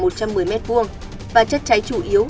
một trăm một mươi m hai và chất cháy chủ yếu